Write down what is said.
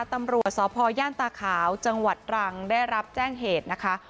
ตำรวจสพย่านตาขาวจังหวัดตรังได้รับแจ้งเหตุนะคะ